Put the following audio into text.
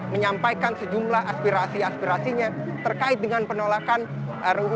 menyampaikan sejumlah aspirasi aspirasinya terkait dengan penolakan ru omnibus lawan cipta kerja